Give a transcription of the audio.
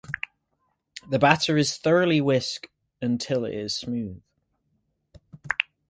The batter is thoroughly whisk until it is smooth.